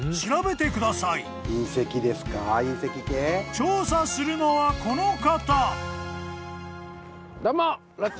［調査するのはこの方］